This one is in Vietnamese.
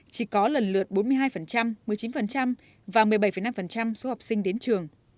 chỉ có lần lượt bốn mươi hai một mươi chín và một mươi bảy năm số học sinh đến trường